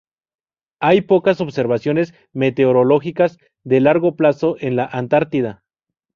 Hay pocas observaciones meteorológicas, de largo plazo, en la Antártida.